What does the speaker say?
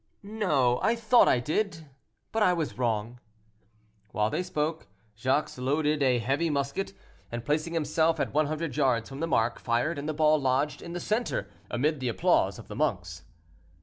"No; I thought I did, but I was wrong." While they spoke, Jacques loaded a heavy musket, and placing himself at one hundred yards from the mark, fired, and the ball lodged in the center, amid the applause of the monks.